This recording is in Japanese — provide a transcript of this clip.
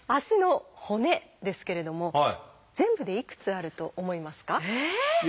足の骨ですけれども全部でいくつあると思いますか？